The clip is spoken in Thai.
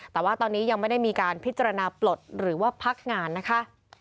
แต่ว่าตอนนี้ยังไม่ได้มีการพิจารณาปลดหรือว่าพักงานนะคะ